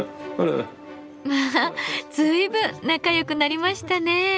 まあ随分仲良くなりましたね。